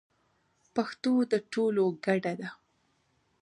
پښتو د ټولو ګډه ده.